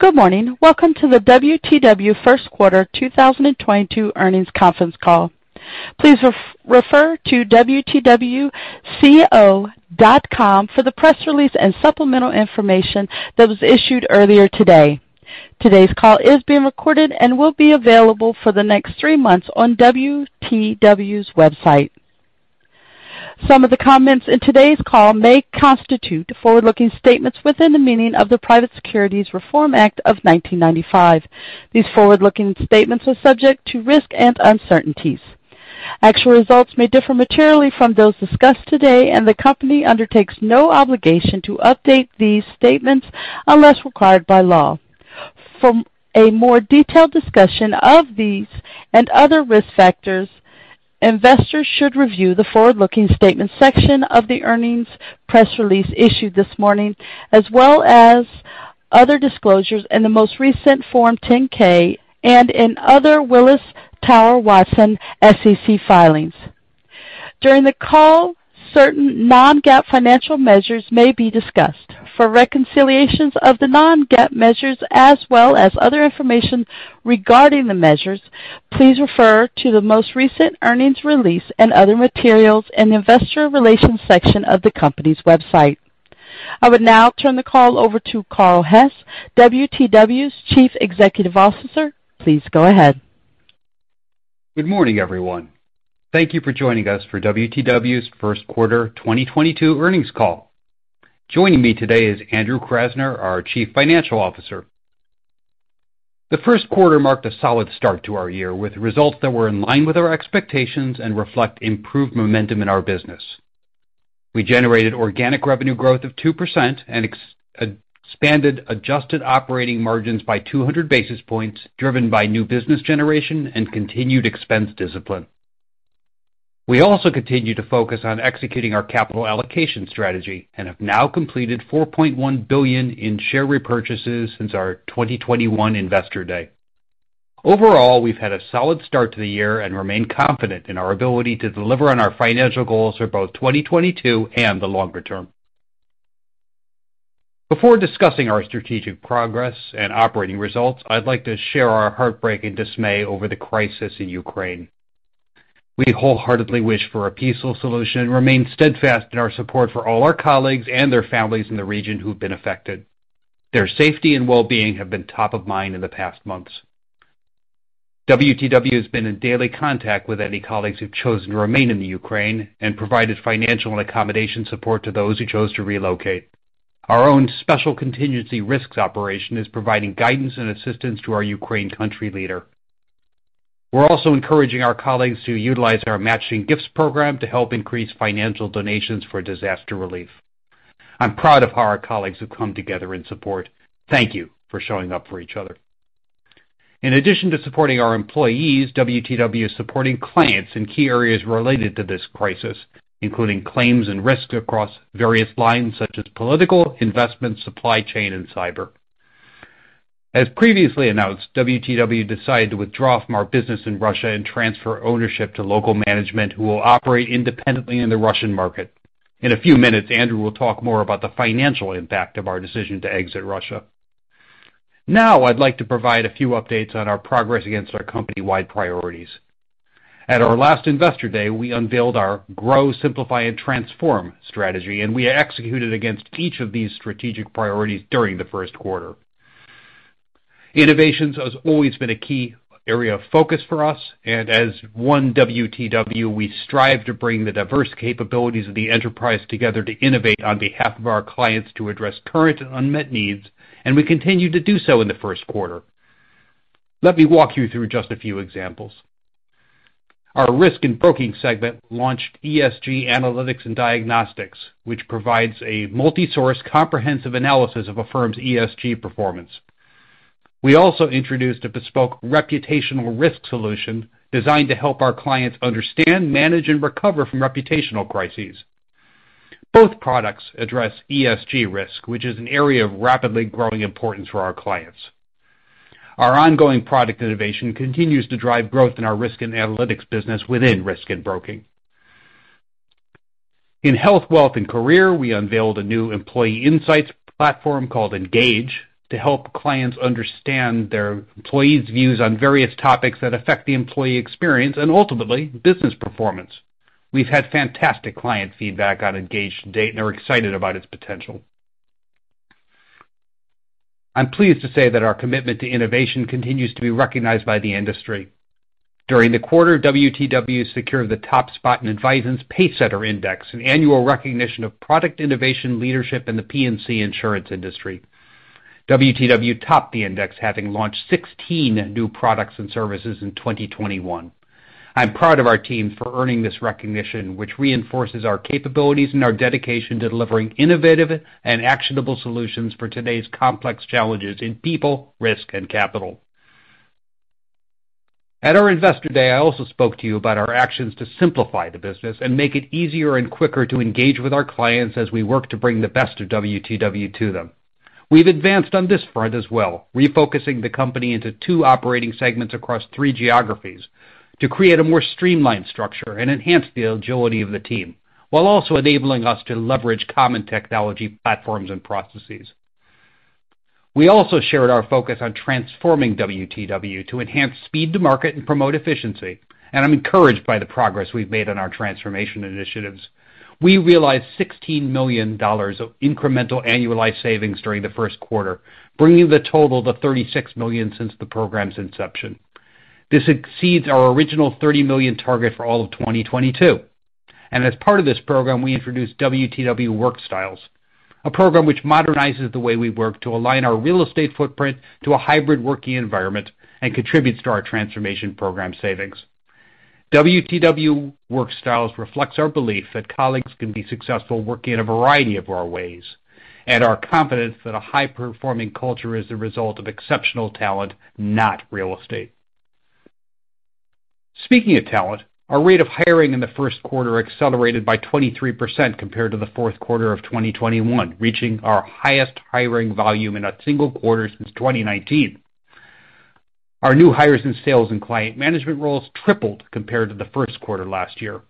Good morning. Welcome to the WTW First Quarter 2022 Earnings Conference Call. Please refer to wtwco.com for the press release and supplemental information that was issued earlier today. Today's call is being recorded and will be available for the next three months on WTW's website. Some of the comments in today's call may constitute forward-looking statements within the meaning of the Private Securities Litigation Reform Act of 1995. These forward-looking statements are subject to risks and uncertainties. Actual results may differ materially from those discussed today, and the company undertakes no obligation to update these statements unless required by law. For a more detailed discussion of these and other risk factors, investors should review the forward-looking statements section of the earnings press release issued this morning, as well as other disclosures in the most recent Form 10-K and in other Willis Towers Watson SEC filings. During the call, certain non-GAAP financial measures may be discussed. For reconciliations of the non-GAAP measures as well as other information regarding the measures, please refer to the most recent earnings release and other materials in the investor relations section of the company's website. I would now turn the call over to Carl Hess, WTW's Chief Executive Officer. Please go ahead. Good morning, everyone. Thank you for joining us for WTW's first quarter 2022 earnings call. Joining me today is Andrew Krasner, our Chief Financial Officer. The first quarter marked a solid start to our year, with results that were in line with our expectations and reflect improved momentum in our business. We generated organic revenue growth of 2% and expanded adjusted operating margins by 200 basis points, driven by new business generation and continued expense discipline. We also continue to focus on executing our capital allocation strategy and have now completed $4.1 billion in share repurchases since our 2021 Investor Day. Overall, we've had a solid start to the year and remain confident in our ability to deliver on our financial goals for both 2022 and the longer term. Before discussing our strategic progress and operating results, I'd like to share our heartbreak and dismay over the crisis in Ukraine. We wholeheartedly wish for a peaceful solution and remain steadfast in our support for all our colleagues and their families in the region who've been affected. Their safety and well-being have been top of mind in the past months. WTW has been in daily contact with any colleagues who've chosen to remain in Ukraine and provided financial and accommodation support to those who chose to relocate. Our own special contingency risks operation is providing guidance and assistance to our Ukraine country leader. We're also encouraging our colleagues to utilize our Matching Gifts program to help increase financial donations for disaster relief. I'm proud of how our colleagues have come together in support. Thank you for showing up for each other. In addition to supporting our employees, WTW is supporting clients in key areas related to this crisis, including claims and risks across various lines such as political, investment, supply chain, and cyber. As previously announced, WTW decided to withdraw from our business in Russia and transfer ownership to local management, who will operate independently in the Russian market. In a few minutes, Andrew will talk more about the financial impact of our decision to exit Russia. Now I'd like to provide a few updates on our progress against our company-wide priorities. At our last Investor Day, we unveiled our Grow, Simplify, and Transform strategy, and we executed against each of these strategic priorities during the first quarter. Innovation has always been a key area of focus for us, and as one WTW, we strive to bring the diverse capabilities of the enterprise together to innovate on behalf of our clients to address current and unmet needs, and we continue to do so in the first quarter. Let me walk you through just a few examples. Our Risk and Broking segment launched ESG Analytics and Diagnostics, which provides a multi-source comprehensive analysis of a firm's ESG performance. We also introduced a bespoke reputational risk solution designed to help our clients understand, manage, and recover from reputational crises. Both products address ESG risk, which is an area of rapidly growing importance for our clients. Our ongoing product innovation continues to drive growth in our risk and analytics business within Risk and Broking. In Health, Wealth and Career, we unveiled a new employee insights platform called Engage to help clients understand their employees' views on various topics that affect the employee experience and ultimately business performance. We've had fantastic client feedback on Engage to date and are excited about its potential. I'm pleased to say that our commitment to innovation continues to be recognized by the industry. During the quarter, WTW secured the top spot in Advisen's Pacesetter Index, an annual recognition of product innovation leadership in the P&C insurance industry. WTW topped the index, having launched 16 new products and services in 2021. I'm proud of our teams for earning this recognition, which reinforces our capabilities and our dedication to delivering innovative and actionable solutions for today's complex challenges in people, risk, and capital. At our Investor Day, I also spoke to you about our actions to simplify the business and make it easier and quicker to engage with our clients as we work to bring the best of WTW to them. We've advanced on this front as well, refocusing the company into two operating segments across three geographies to create a more streamlined structure and enhance the agility of the team. While also enabling us to leverage common technology platforms and processes. We also shared our focus on transforming WTW to enhance speed to market and promote efficiency, and I'm encouraged by the progress we've made on our transformation initiatives. We realized $16 million of incremental annualized savings during the first quarter, bringing the total to $36 million since the program's inception. This exceeds our original $30 million target for all of 2022. As part of this program, we introduced WTW Work Styles, a program which modernizes the way we work to align our real estate footprint to a hybrid working environment and contributes to our transformation program savings. WTW Work Styles reflects our belief that colleagues can be successful working a variety of our ways, and our confidence that a high-performing culture is the result of exceptional talent, not real estate. Speaking of talent, our rate of hiring in the first quarter accelerated by 23% compared to the fourth quarter of 2021, reaching our highest hiring volume in a single quarter since 2019. Our new hires in sales and client management roles tripled compared to the first quarter last year.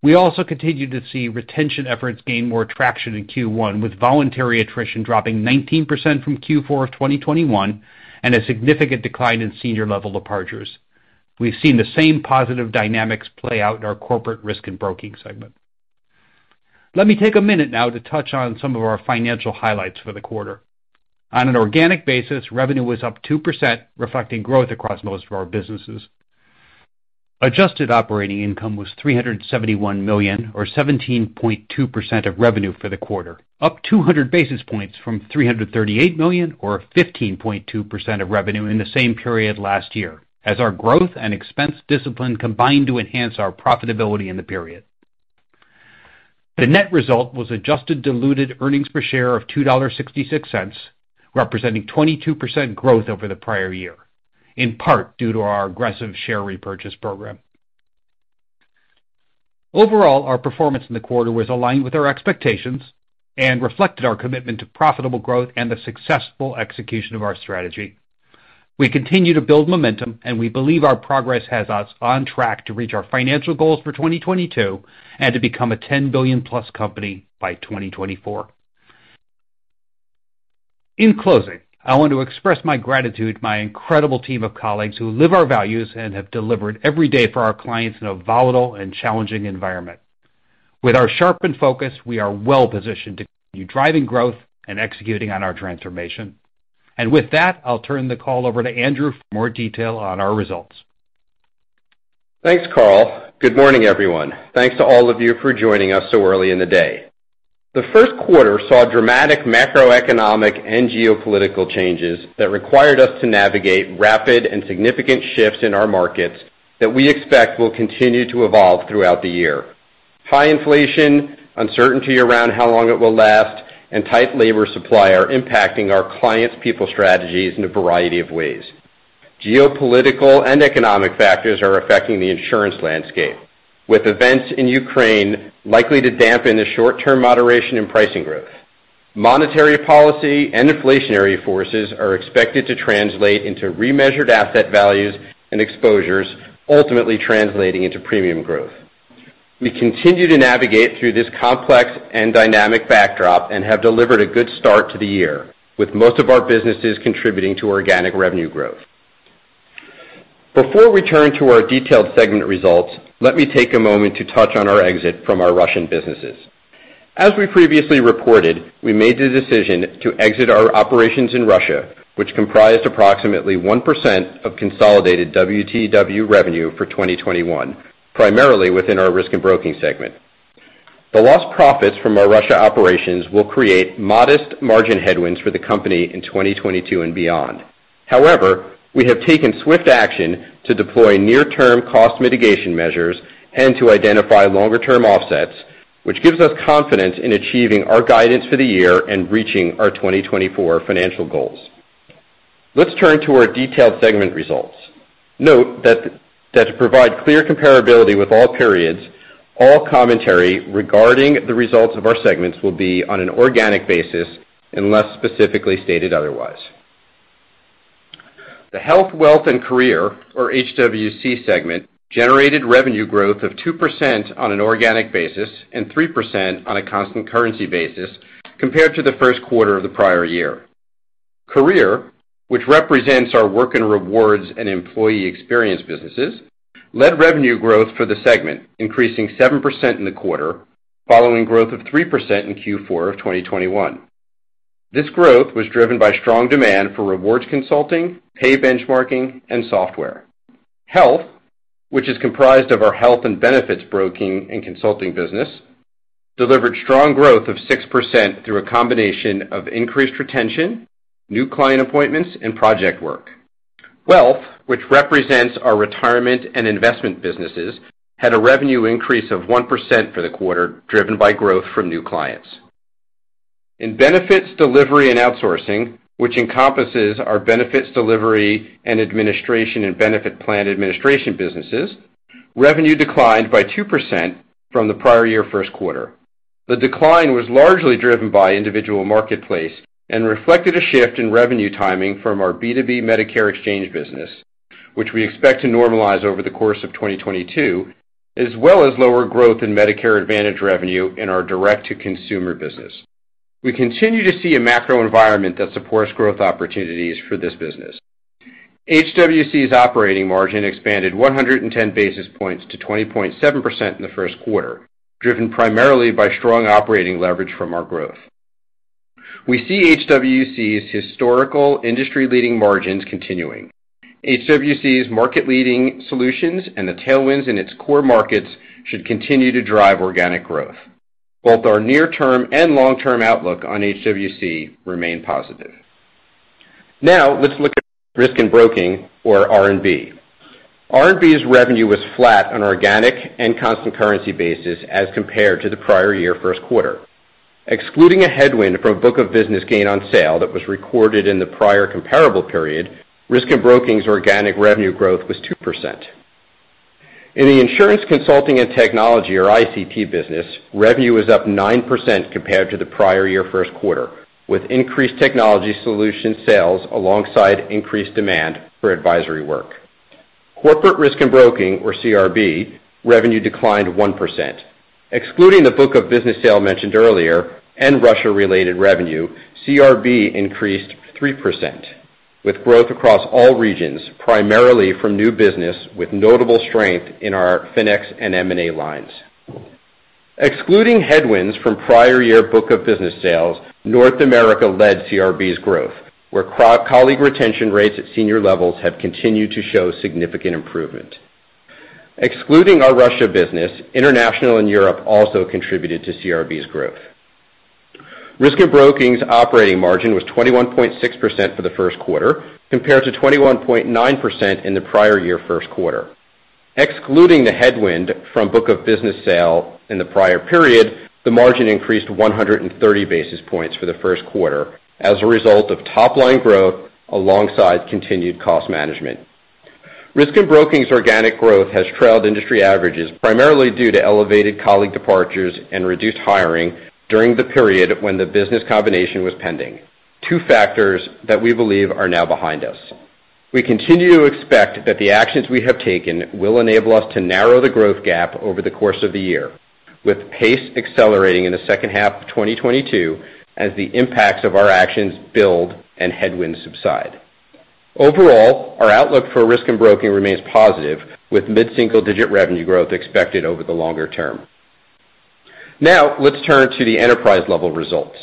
We also continued to see retention efforts gain more traction in Q1, with voluntary attrition dropping 19% from Q4 of 2021, and a significant decline in senior level departures. We've seen the same positive dynamics play out in our Corporate Risk and Broking segment. Let me take a minute now to touch on some of our financial highlights for the quarter. On an organic basis, revenue was up 2%, reflecting growth across most of our businesses. Adjusted operating income was $371 million, or 17.2% of revenue for the quarter, up 200 basis points from $338 million, or 15.2% of revenue in the same period last year, as our growth and expense discipline combined to enhance our profitability in the period. The net result was adjusted diluted earnings per share of $2.66, representing 22% growth over the prior year, in part due to our aggressive share repurchase program. Overall, our performance in the quarter was aligned with our expectations and reflected our commitment to profitable growth and the successful execution of our strategy. We continue to build momentum, and we believe our progress has us on track to reach our financial goals for 2022 and to become a $10 billion-plus company by 2024. In closing, I want to express my gratitude to my incredible team of colleagues who live our values and have delivered every day for our clients in a volatile and challenging environment. With our sharpened focus, we are well positioned to continue driving growth and executing on our transformation. With that, I'll turn the call over to Andrew for more detail on our results. Thanks, Carl. Good morning, everyone. Thanks to all of you for joining us so early in the day. The first quarter saw dramatic macroeconomic and geopolitical changes that required us to navigate rapid and significant shifts in our markets that we expect will continue to evolve throughout the year. High inflation, uncertainty around how long it will last, and tight labor supply are impacting our clients' people strategies in a variety of ways. Geopolitical and economic factors are affecting the insurance landscape, with events in Ukraine likely to dampen the short-term moderation in pricing growth. Monetary policy and inflationary forces are expected to translate into remeasured asset values and exposures, ultimately translating into premium growth. We continue to navigate through this complex and dynamic backdrop and have delivered a good start to the year, with most of our businesses contributing to organic revenue growth. Before we turn to our detailed segment results, let me take a moment to touch on our exit from our Russian businesses. As we previously reported, we made the decision to exit our operations in Russia, which comprised approximately 1% of consolidated WTW revenue for 2021, primarily within our Risk and Broking segment. The lost profits from our Russia operations will create modest margin headwinds for the company in 2022 and beyond. However, we have taken swift action to deploy near-term cost mitigation measures and to identify longer-term offsets, which gives us confidence in achieving our guidance for the year and reaching our 2024 financial goals. Let's turn to our detailed segment results. Note that to provide clear comparability with all periods, all commentary regarding the results of our segments will be on an organic basis, unless specifically stated otherwise. The Health, Wealth, and Career, or HWC segment, generated revenue growth of 2% on an organic basis and 3% on a constant currency basis compared to the first quarter of the prior year. Career, which represents our work and rewards and employee experience businesses, led revenue growth for the segment, increasing 7% in the quarter, following growth of 3% in Q4 of 2021. This growth was driven by strong demand for rewards consulting, pay benchmarking, and software. Health, which is comprised of our health and benefits broking and consulting business, delivered strong growth of 6% through a combination of increased retention, new client appointments, and project work. Wealth, which represents our retirement and investment businesses, had a revenue increase of 1% for the quarter, driven by growth from new clients. In Benefits Delivery and Outsourcing, which encompasses our benefits delivery and administration and benefit plan administration businesses, revenue declined by 2% from the prior year first quarter. The decline was largely driven by individual marketplace and reflected a shift in revenue timing from our B2B Medicare Exchange business, which we expect to normalize over the course of 2022, as well as lower growth in Medicare Advantage revenue in our direct to consumer business. We continue to see a macro environment that supports growth opportunities for this business. HWC's operating margin expanded 110 basis points to 20.7% in the first quarter, driven primarily by strong operating leverage from our growth. We see HWC's historical industry-leading margins continuing. HWC's market-leading solutions and the tailwinds in its core markets should continue to drive organic growth. Both our near-term and long-term outlook on HWC remain positive. Now let's look at Risk and Broking, or R&B. R&B's revenue was flat on organic and constant currency basis as compared to the prior year first quarter. Excluding a headwind from book of business gain on sale that was recorded in the prior comparable period, Risk and Broking's organic revenue growth was 2%. In the Insurance Consulting and Technology or ICT business, revenue was up 9% compared to the prior year first quarter, with increased technology solution sales alongside increased demand for advisory work. Corporate Risk and Broking, or CRB, revenue declined 1%. Excluding the book of business sale mentioned earlier and Russia-related revenue, CRB increased 3%, with growth across all regions, primarily from new business with notable strength in our FINEX and M&A lines. Excluding headwinds from prior year book of business sales, North America led CRB's growth, where colleague retention rates at senior levels have continued to show significant improvement. Excluding our Russia business, international and Europe also contributed to CRB's growth. Risk and Broking's operating margin was 21.6% for the first quarter, compared to 21.9% in the prior year first quarter. Excluding the headwind from book of business sale in the prior period, the margin increased 130 basis points for the first quarter as a result of top line growth alongside continued cost management. Risk and Broking's organic growth has trailed industry averages primarily due to elevated colleague departures and reduced hiring during the period when the business combination was pending, two factors that we believe are now behind us. We continue to expect that the actions we have taken will enable us to narrow the growth gap over the course of the year, with pace accelerating in the second half of 2022 as the impacts of our actions build and headwinds subside. Overall, our outlook for Risk and Broking remains positive, with mid-single-digit revenue growth expected over the longer term. Now let's turn to the enterprise-level results.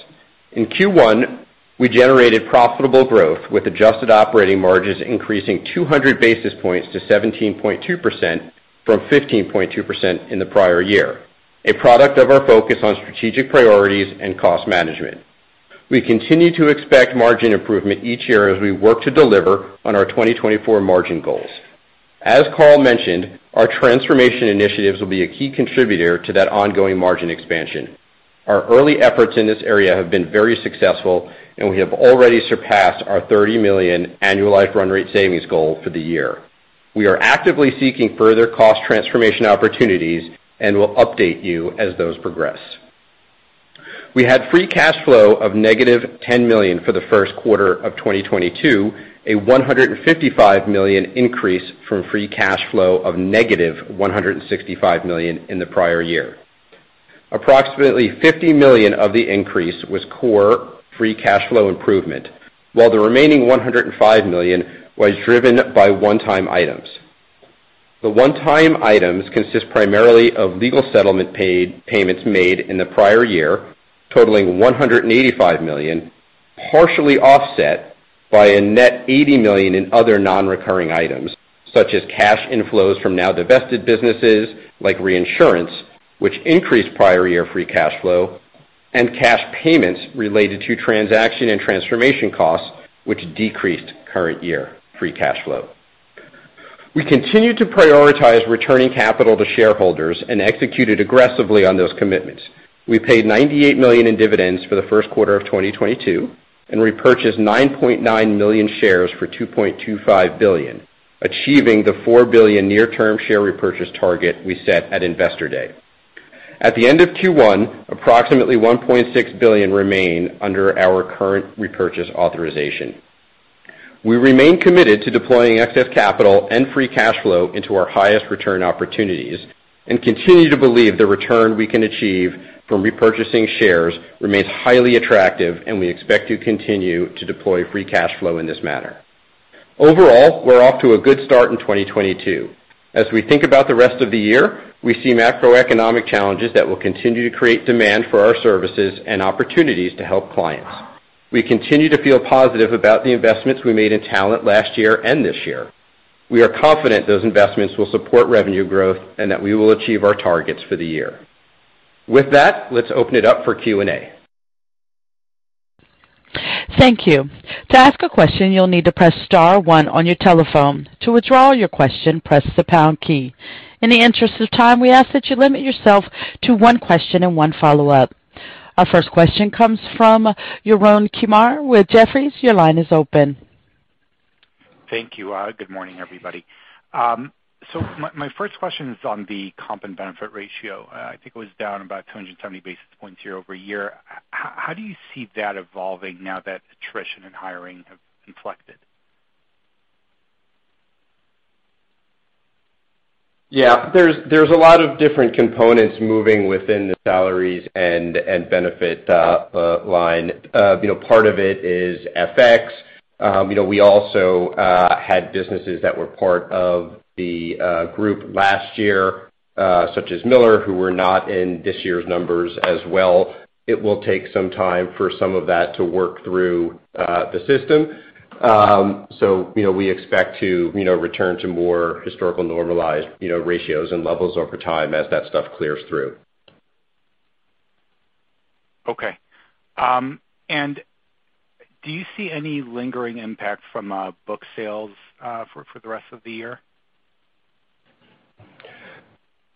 In Q1, we generated profitable growth with adjusted operating margins increasing 200 basis points to 17.2% from 15.2% in the prior year, a product of our focus on strategic priorities and cost management. We continue to expect margin improvement each year as we work to deliver on our 2024 margin goals. As Carl mentioned, our transformation initiatives will be a key contributor to that ongoing margin expansion. Our early efforts in this area have been very successful, and we have already surpassed our $30 million annualized run rate savings goal for the year. We are actively seeking further cost transformation opportunities and will update you as those progress. We had free cash flow of -$10 million for the first quarter of 2022, a $155 million increase from free cash flow of -$165 million in the prior year. Approximately $50 million of the increase was core free cash flow improvement, while the remaining $105 million was driven by one-time items. The one-time items consist primarily of legal settlement payments made in the prior year, totaling $185 million, partially offset by a net $80 million in other non-recurring items, such as cash inflows from now divested businesses like reinsurance, which increased prior year free cash flow, and cash payments related to transaction and transformation costs, which decreased current year free cash flow. We continue to prioritize returning capital to shareholders and executed aggressively on those commitments. We paid $98 million in dividends for the first quarter of 2022 and repurchased 9.9 million shares for $2.25 billion, achieving the $4 billion near-term share repurchase target we set at Investor Day. At the end of Q1, approximately $1.6 billion remain under our current repurchase authorization. We remain committed to deploying excess capital and free cash flow into our highest return opportunities and continue to believe the return we can achieve from repurchasing shares remains highly attractive, and we expect to continue to deploy free cash flow in this manner. Overall, we're off to a good start in 2022. As we think about the rest of the year, we see macroeconomic challenges that will continue to create demand for our services and opportunities to help clients. We continue to feel positive about the investments we made in talent last year and this year. We are confident those investments will support revenue growth and that we will achieve our targets for the year. With that, let's open it up for Q&A. Thank you. To ask a question, you'll need to press star one on your telephone. To withdraw your question, press the pound key. In the interest of time, we ask that you limit yourself to one question and one follow-up. Our first question comes from Yaron Kinar with Jefferies. Your line is open. Thank you. Good morning, everybody. My first question is on the comp and benefit ratio. I think it was down about 270 basis points year-over-year. How do you see that evolving now that attrition and hiring have inflected? Yeah. There's a lot of different components moving within the salaries and benefit line. You know, part of it is FX. You know, we also had businesses that were part of the group last year, such as Miller, who were not in this year's numbers as well. It will take some time for some of that to work through the system. You know, we expect to return to more historical normalized ratios and levels over time as that stuff clears through. Okay. Do you see any lingering impact from book sales for the rest of the year? Yeah.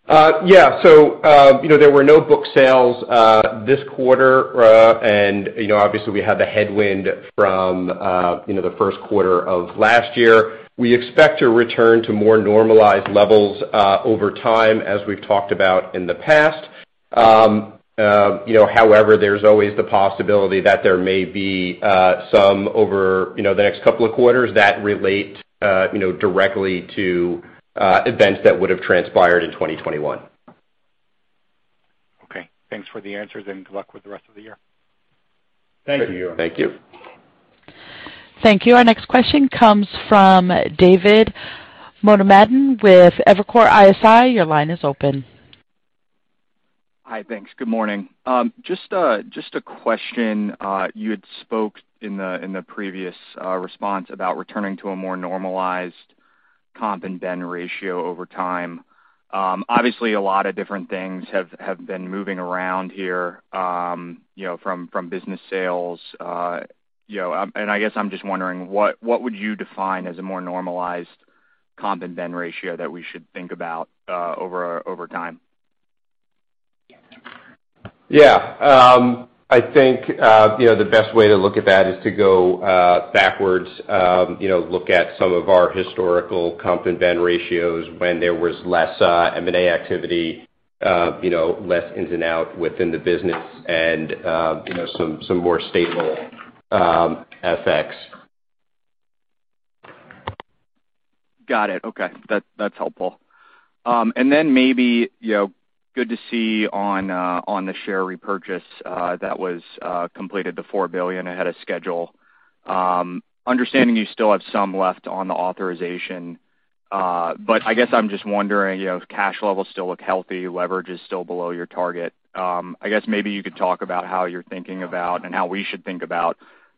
You know, there were no book sales this quarter. You know, obviously, we had the headwind from, you know, the first quarter of last year. We expect to return to more normalized levels over time, as we've talked about in the past. You know, however, there's always the possibility that there may be some overhang over the next couple of quarters that relate, you know, directly to events that would have transpired in 2021. Okay. Thanks for the answers, and good luck with the rest of the year. Thank you. Thank you. Thank you. Our next question comes from David Motemaden with Evercore ISI. Your line is open. Hi. Thanks. Good morning. Just a question. You had spoke in the previous response about returning to a more normalized comp and ben ratio over time. Obviously, a lot of different things have been moving around here, you know, from business sales, you know. I guess I'm just wondering what would you define as a more normalized comp and ben ratio that we should think about over time? Yeah. I think, you know, the best way to look at that is to go backwards, you know, look at some of our historical comp and ben ratios when there was less M&A activity, you know, less ins and out within the business and, you know, some more stable FX. Got it. Okay. That's helpful. Maybe, you know, good to see on the share repurchase that was completed, the $4 billion ahead of schedule. Understanding you still have some left on the authorization, but I guess I'm just wondering, you know, cash levels still look healthy, leverage is still below your target. I guess maybe you could talk about how you're thinking about and how we should think about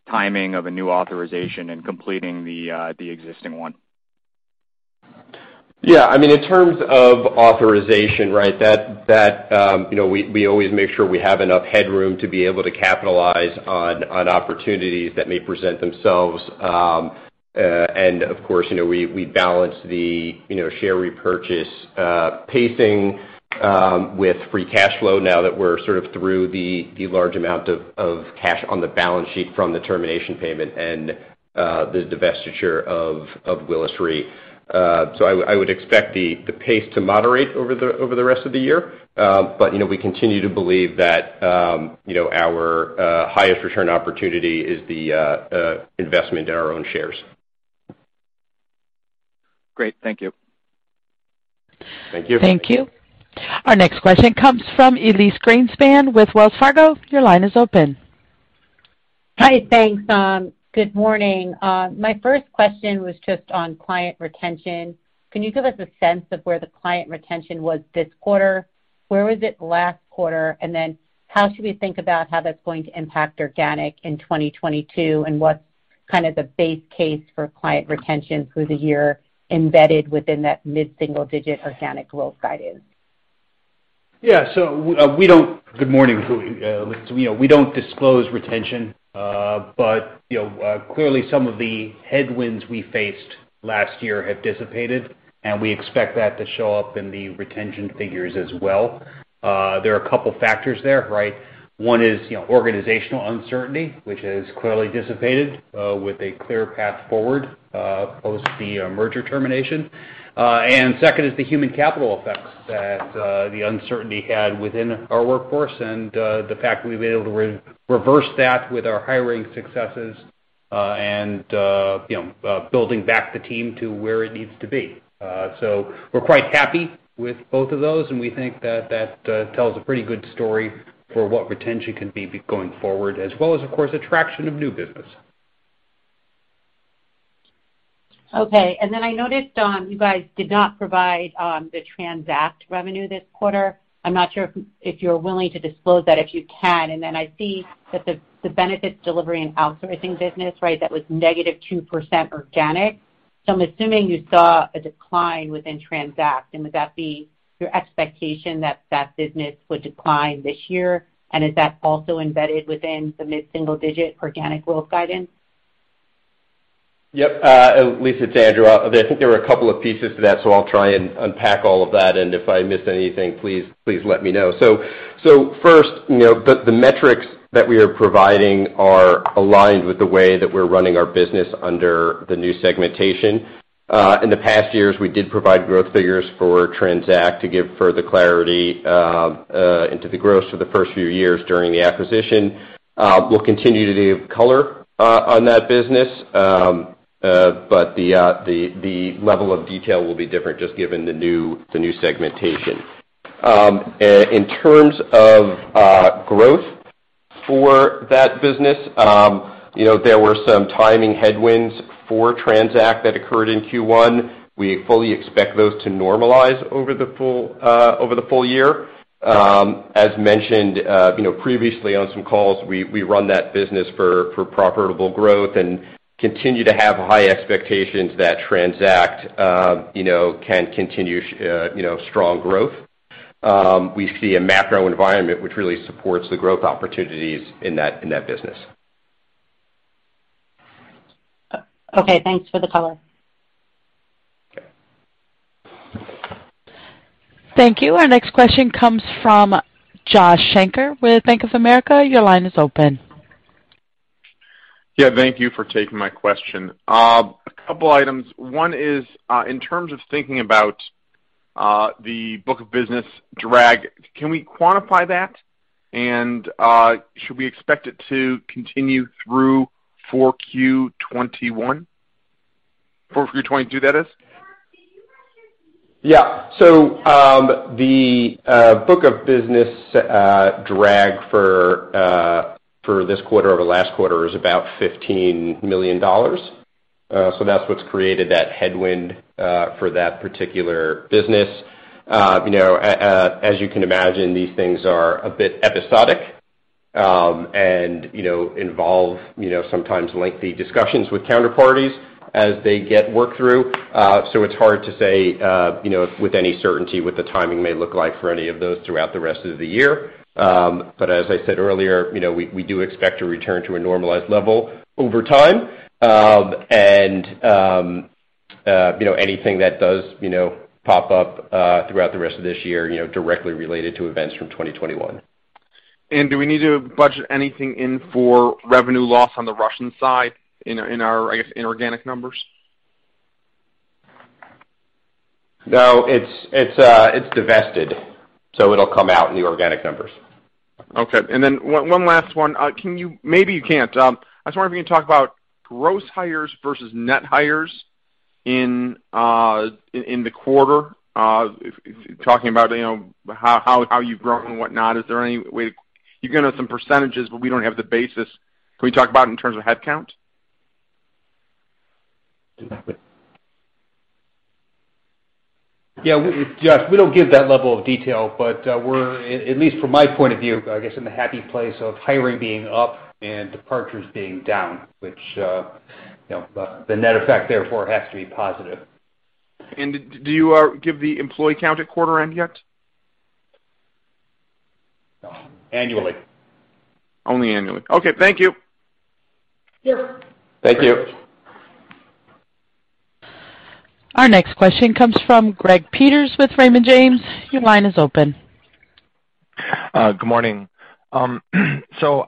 timing of a new authorization and completing the existing one. Yeah. I mean, in terms of authorization, right? That you know, we always make sure we have enough headroom to be able to capitalize on opportunities that may present themselves. Of course, you know, we balance the, you know, share repurchase pacing with free cash flow now that we're sort of through the large amount of cash on the balance sheet from the termination payment and the divestiture of Willis Re. I would expect the pace to moderate over the rest of the year. You know, we continue to believe that, you know, our highest return opportunity is the investment in our own shares. Great. Thank you. Thank you. Thank you. Our next question comes from Elyse Greenspan with Wells Fargo. Your line is open. Hi. Thanks. Good morning. My first question was just on client retention. Can you give us a sense of where the client retention was this quarter? Where was it last quarter? How should we think about how that's going to impact organic in 2022, and what's kind of the base case for client retention through the year embedded within that mid-single digit organic growth guidance? Good morning, Elyse. You know, we don't disclose retention. But, you know, clearly, some of the headwinds we faced last year have dissipated, and we expect that to show up in the retention figures as well. There are a couple factors there, right? One is, you know, organizational uncertainty, which has clearly dissipated, with a clear path forward, post the merger termination. And second is the human capital effects that the uncertainty had within our workforce and the fact that we've been able to reverse that with our hiring successes, and you know, building back the team to where it needs to be. We're quite happy with both of those, and we think that tells a pretty good story for what retention can be going forward, as well as, of course, attraction of new business. Okay. I noticed you guys did not provide the TRANZACT revenue this quarter. I'm not sure if you're willing to disclose that, if you can. I see that the Benefits Delivery and Outsourcing business, right, that was negative 2% organic. I'm assuming you saw a decline within TRANZACT. Would that be your expectation that that business would decline this year? Is that also embedded within the mid-single digit organic growth guidance? Yep. Elise, it's Andrew. I think there were a couple of pieces to that, so I'll try and unpack all of that, and if I miss anything, please let me know. First, you know, the metrics that we are providing are aligned with the way that we're running our business under the new segmentation. In the past years, we did provide growth figures for TRANZACT to give further clarity into the growth for the first few years during the acquisition. We'll continue to give color on that business, but the level of detail will be different just given the new segmentation. In terms of growth for that business, you know, there were some timing headwinds for TRANZACT that occurred in Q1. We fully expect those to normalize over the full year. As mentioned, you know, previously on some calls, we run that business for profitable growth and continue to have high expectations that TRANZACT, you know, can continue strong growth. We see a macro environment which really supports the growth opportunities in that business. Okay, thanks for the color. Okay. Thank you. Our next question comes from Josh Shanker with Bank of America. Your line is open. Yeah, thank you for taking my question. A couple items. One is, in terms of thinking about, the book of business drag, can we quantify that? Should we expect it to continue through 4Q 2021? 4Q 2022, that is. Yeah. The book of business drag for this quarter over last quarter is about $15 million. That's what's created that headwind for that particular business. You know, as you can imagine, these things are a bit episodic, and you know, involve sometimes lengthy discussions with counterparties as they get worked through. It's hard to say you know, with any certainty what the timing may look like for any of those throughout the rest of the year. As I said earlier, you know, we do expect to return to a normalized level over time. You know, anything that does pop up throughout the rest of this year you know, directly related to events from 2021. Do we need to budget anything in for revenue loss on the Russian side in our, I guess, inorganic numbers? No, it's divested, so it'll come out in the organic numbers. Okay. Then one last one. Can you? Maybe you can't. I was wondering if you can talk about gross hires versus net hires in the quarter, if talking about, you know, how you've grown and whatnot. Is there any way? You gave us some percentages, but we don't have the basis. Can we talk about it in terms of headcount? Yeah. Josh, we don't give that level of detail, but we're at least from my point of view, I guess, in the happy place of hiring being up and departures being down, which you know, the net effect therefore has to be positive. Do you give the employee count at quarter end yet? Annually. Only annually. Okay. Thank you. Yeah. Thank you. Our next question comes from Greg Peters with Raymond James. Your line is open. Good morning. So,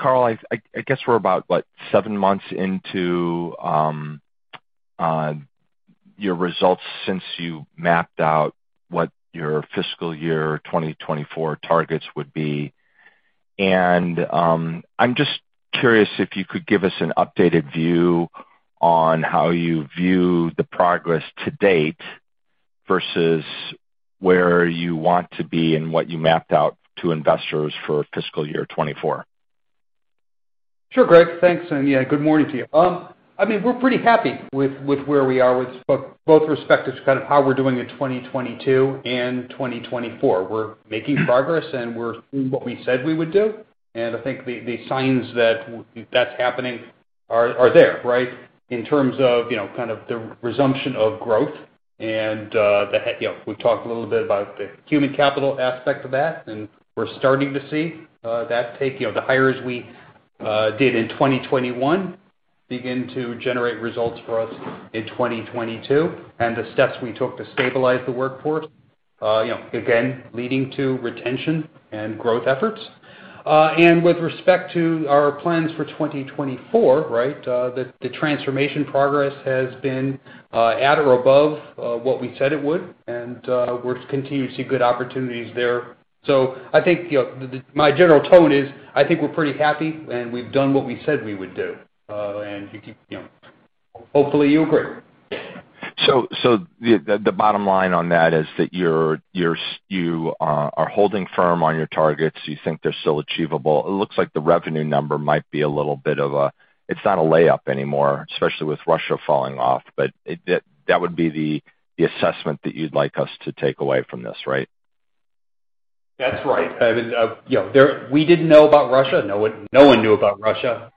Carl, I guess we're about, what, seven months into your results since you mapped out what your fiscal year 2024 targets would be. I'm just curious if you could give us an updated view on how you view the progress to date versus where you want to be and what you mapped out to investors for fiscal year 2024. Sure, Greg. Thanks, and yeah, good morning to you. I mean, we're pretty happy with where we are with both respect to kind of how we're doing in 2022 and 2024. We're making progress, and we're doing what we said we would do. I think the signs that that's happening are there, right? In terms of you know, kind of the resumption of growth. You know, we've talked a little bit about the human capital aspect of that, and we're starting to see that take. You know, the hires we did in 2021 begin to generate results for us in 2022. The steps we took to stabilize the workforce again leading to retention and growth efforts. With respect to our plans for 2024, right, the transformation progress has been at or above what we said it would, and we're continuing to see good opportunities there. I think, you know, my general tone is, I think we're pretty happy, and we've done what we said we would do. You know, hopefully you agree. The bottom line on that is that you are holding firm on your targets. You think they're still achievable. It looks like the revenue number might be a little bit of a. It's not a layup anymore, especially with Russia falling off. That would be the assessment that you'd like us to take away from this, right? That's right. I mean, you know, we didn't know about Russia. No one knew about Russia.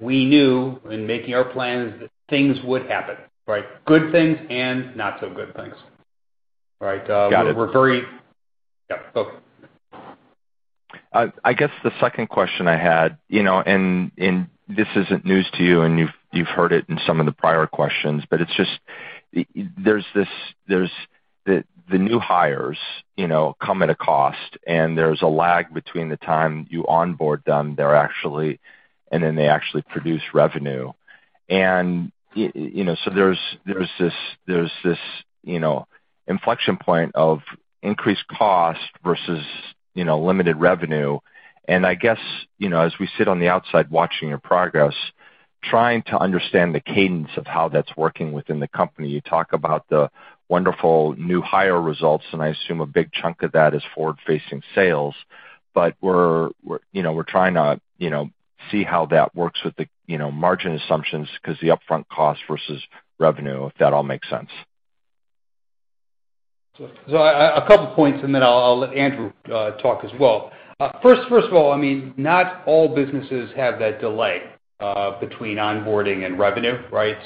We knew in making our plans that things would happen, right? Good things and not so good things. Right? Got it. Yeah. Okay. I guess the second question I had, you know, and this isn't news to you, and you've heard it in some of the prior questions, but it's just, there's this, the new hires, you know, come at a cost, and there's a lag between the time you onboard them, and then they actually produce revenue. You know, so there's this, you know, inflection point of increased cost versus, you know, limited revenue. I guess, you know, as we sit on the outside watching your progress, trying to understand the cadence of how that's working within the company, you talk about the wonderful new hire results, and I assume a big chunk of that is forward-facing sales. We're trying to, you know, see how that works with the, you know, margin assumptions because the upfront cost versus revenue, if that all makes sense. A couple points, and then I'll let Andrew talk as well. First of all, I mean, not all businesses have that delay between onboarding and revenue, right?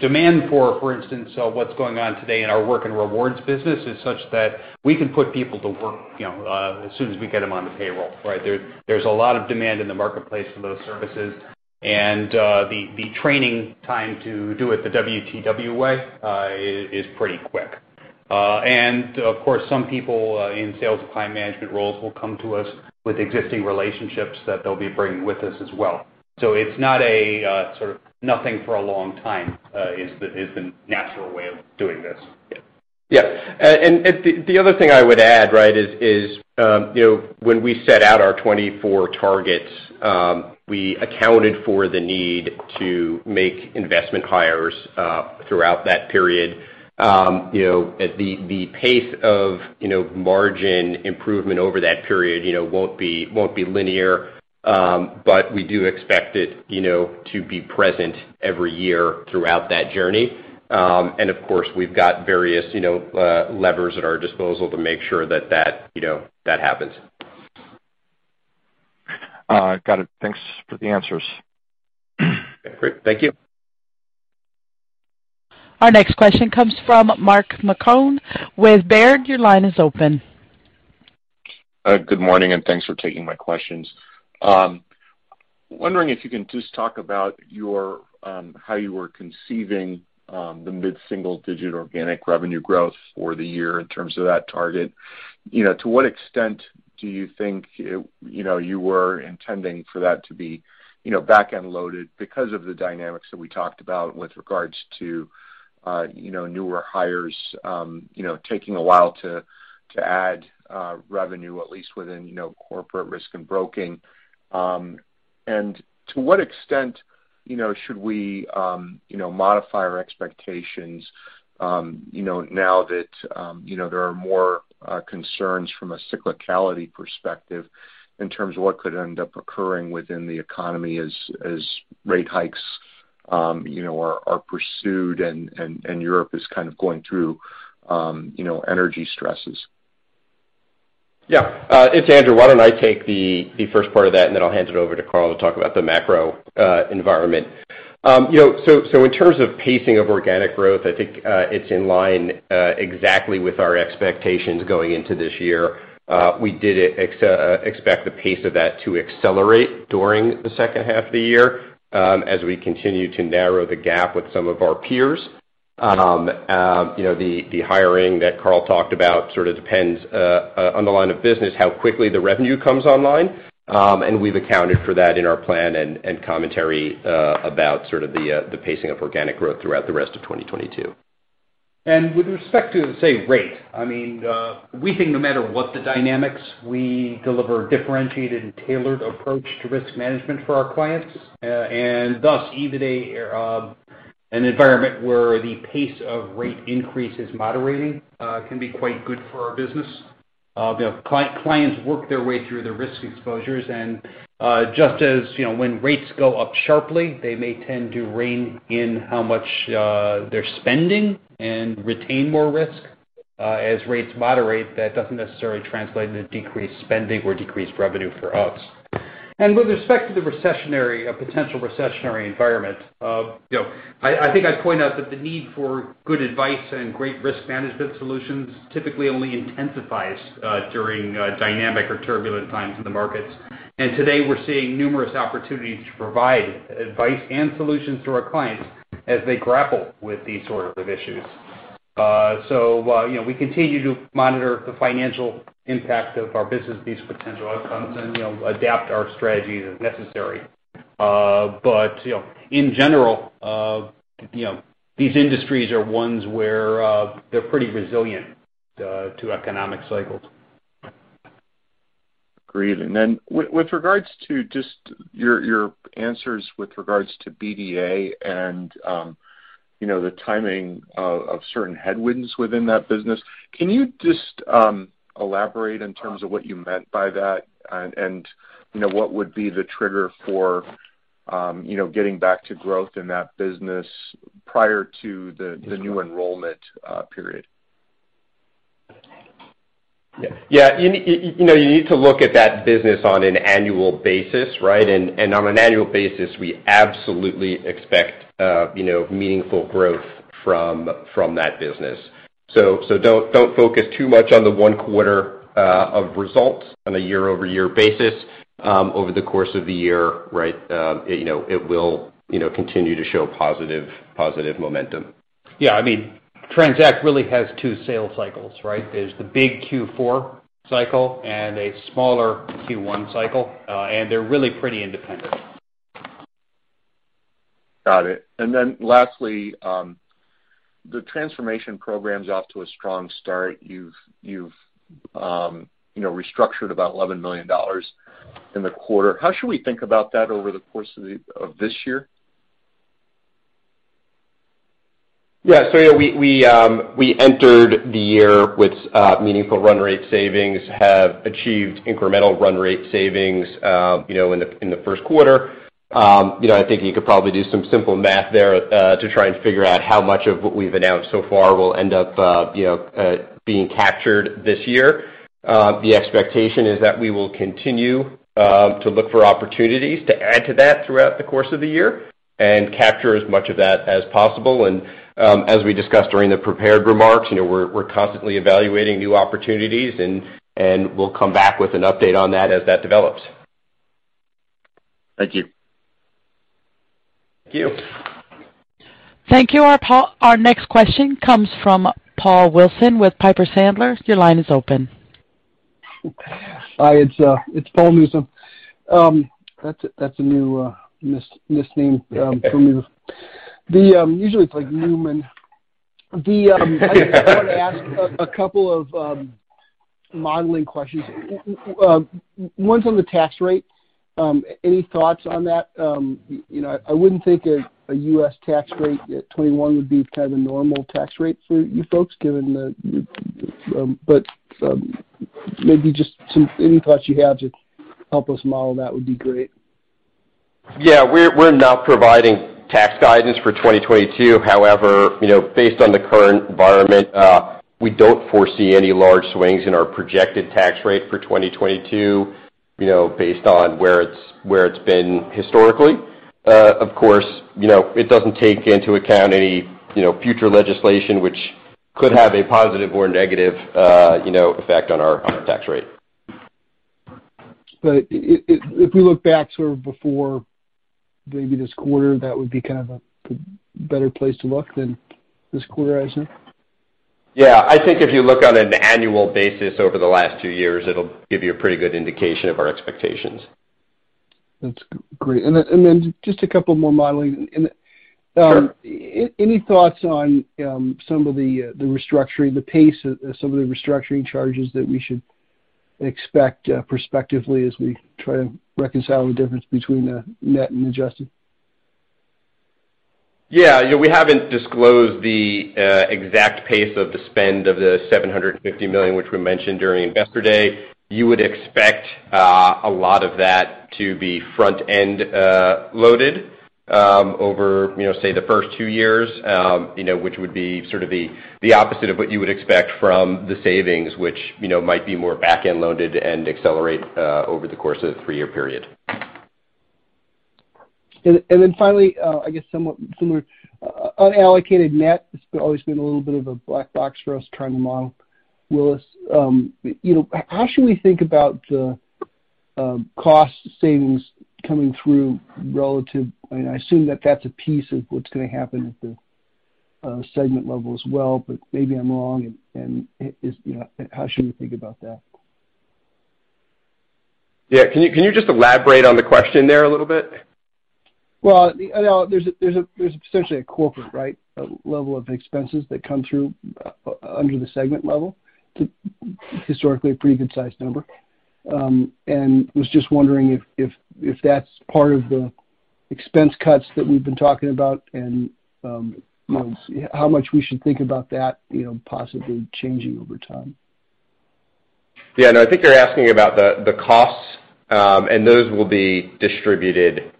Demand for instance, what's going on today in our work and rewards business is such that we can put people to work, you know, as soon as we get them on the payroll, right? There's a lot of demand in the marketplace for those services. The training time to do it the WTW way is pretty quick. Of course, some people in sales and client management roles will come to us with existing relationships that they'll be bringing with us as well. It's not a sort of nothing for a long time is the natural way of doing this. Yeah. The other thing I would add, right, is you know, when we set out our 2024 targets, we accounted for the need to make investment hires throughout that period. You know, at the pace of you know, margin improvement over that period, you know, won't be linear, but we do expect it, you know, to be present every year throughout that journey. Of course, we've got various you know, levers at our disposal to make sure that you know, that happens. Got it. Thanks for the answers. Great. Thank you. Our next question comes from Mark Marcon with Baird. Your line is open. Good morning, and thanks for taking my questions. Wondering if you can just talk about your, how you were conceiving, the mid-single-digit organic revenue growth for the year in terms of that target. You know, to what extent do you think, you know, you were intending for that to be, you know, back-end loaded because of the dynamics that we talked about with regards to, you know, newer hires, you know, taking a while to add revenue, at least within, you know, Corporate Risk and Broking. To what extent, you know, should we, you know, modify our expectations, you know, now that, you know, there are more concerns from a cyclicality perspective in terms of what could end up occurring within the economy as rate hikes, you know, are pursued and Europe is kind of going through, you know, energy stresses? Yeah. It's Andrew. Why don't I take the first part of that, and then I'll hand it over to Carl to talk about the macro environment. You know, so in terms of pacing of organic growth, I think it's in line exactly with our expectations going into this year. We did expect the pace of that to accelerate during the second half of the year, as we continue to narrow the gap with some of our peers. You know, the hiring that Carl talked about sort of depends on the line of business, how quickly the revenue comes online. We've accounted for that in our plan and commentary about sort of the pacing of organic growth throughout the rest of 2022. With respect to, say, rate, I mean, we think no matter what the dynamics, we deliver differentiated and tailored approach to risk management for our clients. Thus, even an environment where the pace of rate increase is moderating can be quite good for our business. You know, clients work their way through the risk exposures. Just as, you know, when rates go up sharply, they may tend to rein in how much they're spending and retain more risk, as rates moderate, that doesn't necessarily translate into decreased spending or decreased revenue for us. With respect to the recessionary, a potential recessionary environment, you know, I think I'd point out that the need for good advice and great risk management solutions typically only intensifies during dynamic or turbulent times in the markets. Today we're seeing numerous opportunities to provide advice and solutions to our clients as they grapple with these sort of issues. You know, we continue to monitor the financial impact of our business, these potential outcomes, and, you know, adapt our strategies as necessary. You know, in general, you know, these industries are ones where they're pretty resilient to economic cycles. Agreed. With regards to just your answers with regards to BDA and, you know, the timing of certain headwinds within that business, can you just elaborate in terms of what you meant by that and, you know, what would be the trigger for, you know, getting back to growth in that business prior to the new enrollment period? Yeah. You know, you need to look at that business on an annual basis, right? On an annual basis, we absolutely expect, you know, meaningful growth from that business. Don't focus too much on the one quarter of results on a year-over-year basis over the course of the year, right? You know, it will, you know, continue to show positive momentum. Yeah, I mean, TRANZACT really has two sales cycles, right? There's the big Q4 cycle and a smaller Q1 cycle, and they're really pretty independent. Got it. Lastly, the transformation program's off to a strong start. You've, you know, restructured about $11 million in the quarter. How should we think about that over the course of this year? Yeah. We entered the year with meaningful run rate savings, have achieved incremental run rate savings, you know, in the first quarter. You know, I think you could probably do some simple math there to try and figure out how much of what we've announced so far will end up, you know, being captured this year. The expectation is that we will continue to look for opportunities to add to that throughout the course of the year and capture as much of that as possible. As we discussed during the prepared remarks, you know, we're constantly evaluating new opportunities and we'll come back with an update on that as that develops. Thank you. Thank you. Thank you. Our next question comes from Paul Newsome with Piper Sandler. Your line is open. Hi, it's Paul Newsome. That's a new misname for me. Usually it's like Newman. I wanted to ask a couple of modeling questions. Well, one's on the tax rate. Any thoughts on that? You know, I wouldn't think a U.S. tax rate at 21% would be kind of a normal tax rate for you folks, but maybe just any thoughts you have to help us model that would be great. Yeah. We're not providing tax guidance for 2022. However, you know, based on the current environment, we don't foresee any large swings in our projected tax rate for 2022, you know, based on where it's been historically. Of course, you know, it doesn't take into account any, you know, future legislation which could have a positive or negative, you know, effect on our tax rate. If we look back sort of before maybe this quarter, that would be kind of a, the better place to look than this quarter, I assume? Yeah. I think if you look on an annual basis over the last 2 years, it'll give you a pretty good indication of our expectations. That's great. Just a couple more modeling and. Sure. Any thoughts on some of the restructuring, the pace of some of the restructuring charges that we should expect prospectively as we try to reconcile the difference between the net and adjusted? Yeah. You know, we haven't disclosed the exact pace of the spend of the $750 million, which we mentioned during Investor Day. You would expect a lot of that to be front-end loaded over, you know, say the first two years, you know, which would be sort of the opposite of what you would expect from the savings, which, you know, might be more back-end loaded and accelerate over the course of a three-year period. Then finally, I guess somewhat similar, unallocated net has always been a little bit of a black box for us trying to model. Willis, you know, how should we think about the cost savings coming through relative. I mean, I assume that that's a piece of what's gonna happen at the segment level as well, but maybe I'm wrong. Is, you know, how should we think about that? Yeah, can you just elaborate on the question there a little bit? Well, you know, there's essentially a corporate, right, level of expenses that come through under the segment level. Historically, a pretty good sized number. I was just wondering if that's part of the expense cuts that we've been talking about and, you know, how much we should think about that, you know, possibly changing over time? Yeah, no, I think you're asking about the costs, and those will be distributed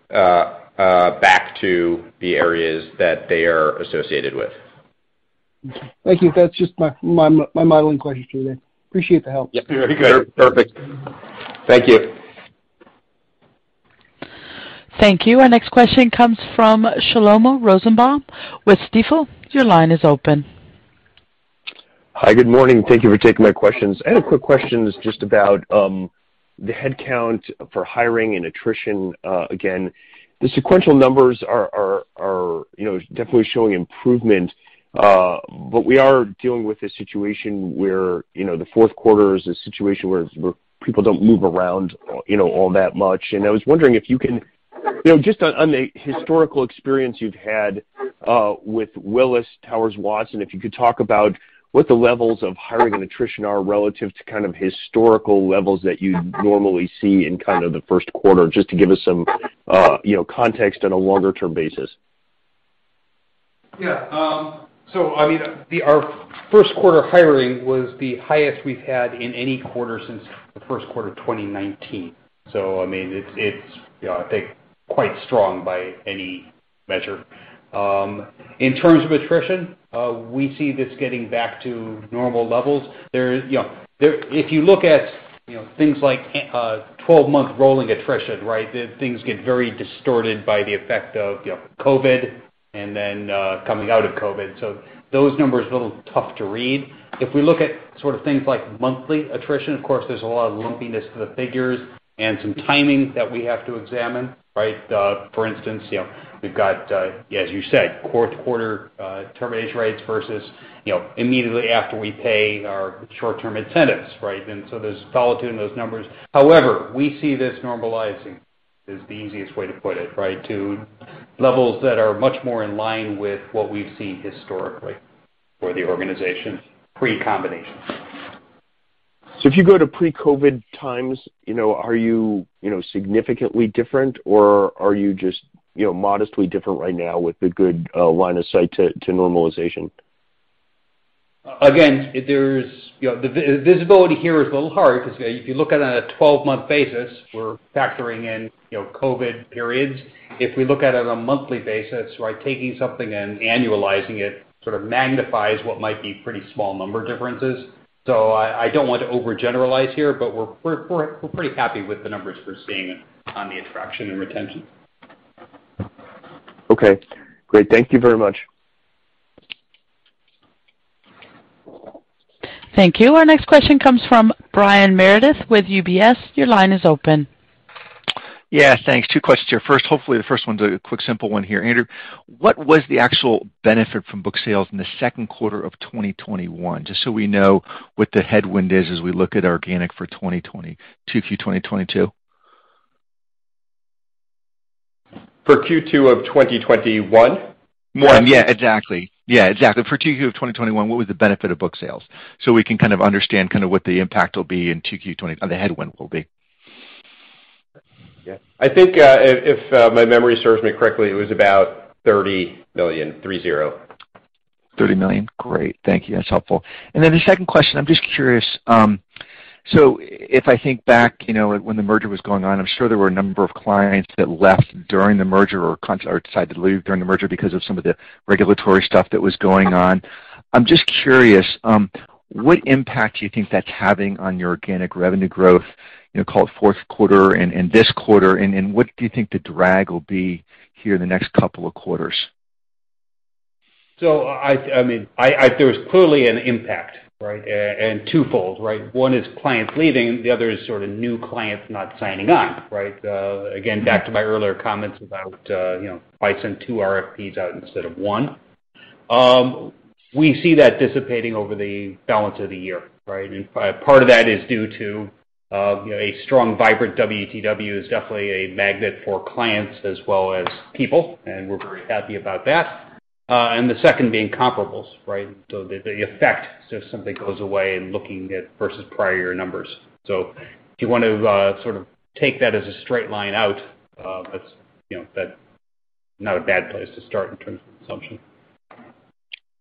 back to the areas that they are associated with. Okay. Thank you. That's just my modeling question to you then. Appreciate the help. Yep. Very good. Perfect. Thank you. Thank you. Our next question comes from Shlomo Rosenbaum with Stifel. Your line is open. Hi, good morning. Thank you for taking my questions. I had quick questions just about the headcount for hiring and attrition, again. The sequential numbers are, you know, definitely showing improvement, but we are dealing with a situation where, you know, the fourth quarter is a situation where people don't move around, you know, all that much. I was wondering if you can, you know, just on the historical experience you've had with Willis Towers Watson, if you could talk about what the levels of hiring and attrition are relative to kind of historical levels that you normally see in kind of the first quarter, just to give us some, you know, context on a longer term basis. Yeah. I mean, our first quarter hiring was the highest we've had in any quarter since the first quarter of 2019. I mean, it's, you know, I think quite strong by any measure. In terms of attrition, we see this getting back to normal levels. You know, if you look at You know, things like 12-month rolling attrition, right? Things get very distorted by the effect of, you know, COVID and then coming out of COVID. So those numbers are a little tough to read. If we look at sort of things like monthly attrition, of course, there's a lot of lumpiness to the figures and some timing that we have to examine, right? For instance, you know, we've got, as you said, fourth quarter termination rates versus, you know, immediately after we pay our short-term incentives, right? There's volatility in those numbers. However, we see this normalizing is the easiest way to put it, right, to levels that are much more in line with what we've seen historically for the organization pre-combination. If you go to pre-COVID times, you know, are you know, significantly different or are you just, you know, modestly different right now with the good line of sight to normalization? Again, there's, you know, the visibility here is a little hard because if you look at it on a 12-month basis, we're factoring in, you know, COVID periods. If we look at it on a monthly basis, right? Taking something and annualizing it sort of magnifies what might be pretty small number differences. So I don't want to overgeneralize here, but we're pretty happy with the numbers we're seeing on the attraction and retention. Okay, great. Thank you very much. Thank you. Our next question comes from Brian Meredith with UBS. Your line is open. Yeah, thanks. Two questions here. First, hopefully, the first one's a quick simple one here. Andrew, what was the actual benefit from book sales in the second quarter of 2021? Just so we know what the headwind is as we look at organic for 2022 Q1 2022. For Q2 of 2021? Yeah, exactly. For Q2 of 2021, what was the benefit of book sales? We can kind of understand kind of what the impact will be in Q2, or the headwind will be. Yeah. I think, if my memory serves me correctly, it was about $30 million, 30. $30 million. Great. Thank you. That's helpful. The second question, I'm just curious. So if I think back, you know, when the merger was going on, I'm sure there were a number of clients that left during the merger or decided to leave during the merger because of some of the regulatory stuff that was going on. I'm just curious, what impact do you think that's having on your organic revenue growth, you know, call it fourth quarter and this quarter? What do you think the drag will be here in the next couple of quarters? There was clearly an impact, right? And twofold, right? One is clients leaving, the other is sort of new clients not signing on, right? Again, back to my earlier comments about, I send two RFPs out instead of one. We see that dissipating over the balance of the year, right? And part of that is due to, a strong, vibrant WTW is definitely a magnet for clients as well as people, and we're very happy about that. And the second being comparables, right? The effect if something goes away and looking at versus prior numbers. If you want to sort of take that as a straight line out, that's, you know, that's not a bad place to start in terms of assumption.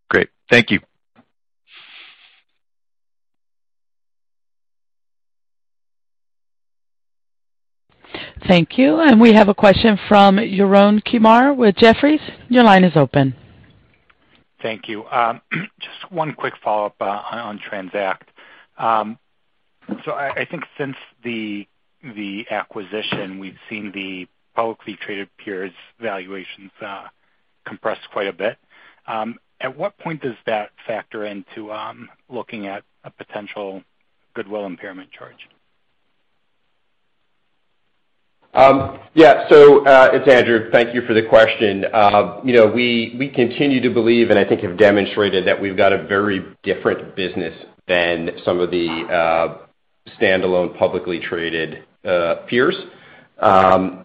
Great. Thank you. Thank you. We have a question from Yaron Kinar with Jefferies. Your line is open. Thank you. Just one quick follow-up on TRANZACT. I think since the acquisition, we've seen the publicly traded peers valuations compress quite a bit. At what point does that factor into looking at a potential goodwill impairment charge? Yeah, it's Andrew. Thank you for the question. You know, we continue to believe, and I think have demonstrated that we've got a very different business than some of the standalone publicly traded peers.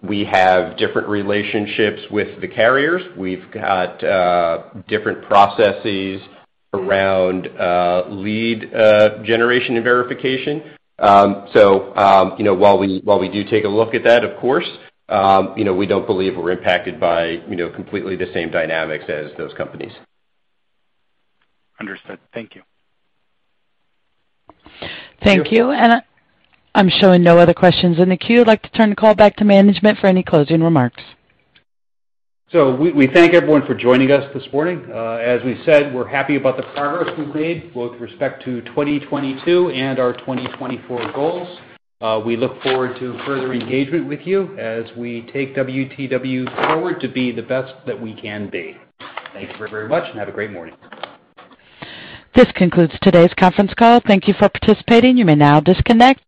We have different relationships with the carriers. We've got different processes around lead generation and verification. You know, while we do take a look at that, of course, you know, we don't believe we're impacted by you know, completely the same dynamics as those companies. Understood. Thank you. Thank you. I'm showing no other questions in the queue. I'd like to turn the call back to management for any closing remarks. We thank everyone for joining us this morning. As we said, we're happy about the progress we've made with respect to 2022 and our 2024 goals. We look forward to further engagement with you as we take WTW forward to be the best that we can be. Thank you very much, and have a great morning. This concludes today's conference call. Thank you for participating. You may now disconnect.